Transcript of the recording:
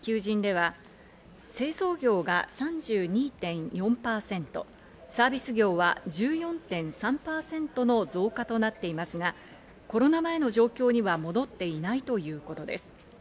また産業別の新規求人では、製造業が３２．４％、サービス業は１４．３％の増加となっていますが、コロナ前の状況には戻っていないということです。